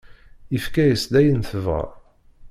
Yefka-as-d ayen tebɣa.